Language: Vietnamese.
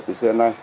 từ xưa đến nay